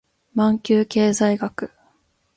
マンキュー経済学